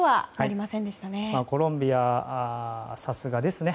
コロンビアさすがですね。